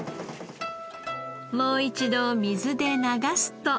もう一度水で流すと。